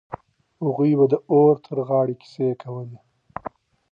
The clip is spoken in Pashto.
هغوی به د اور تر غاړې کيسې کولې.